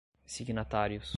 signatários